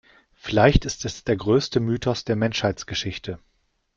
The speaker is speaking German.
Vielleicht ist es der größte Mythos der Menschheitsgeschichte.